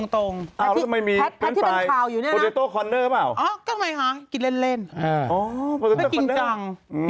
ทำไมเป็นอะไรวะเนี้ยทำไมเป็นสีทอง